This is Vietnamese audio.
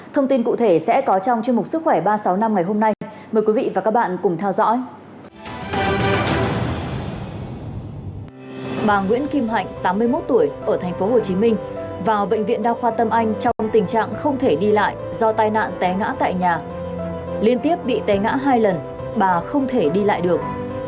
trong tình trạng không thể đi lại do tai nạn té ngã tại nhà liên tiếp bị té ngã hai lần bà không thể đi lại được